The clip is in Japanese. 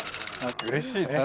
うれしいね。